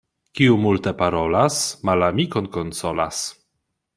Kiu multe parolas, malamikon konsolas.